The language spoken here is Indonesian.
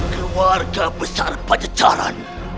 keluarga besar pajacaran